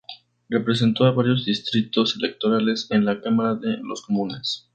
Representó a varios distritos electorales en la Cámara de los Comunes.